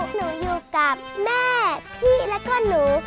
หนูอยู่กับแม่พี่แล้วก็หนู